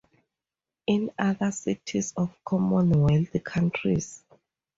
In other cities of Commonwealth countries.